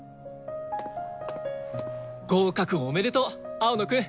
合格おめでとう青野くん。